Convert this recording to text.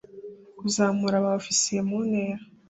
kuzamura ba ofisiye mu ntera